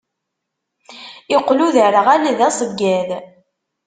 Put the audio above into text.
Iqqel uderɣal d aṣeggad.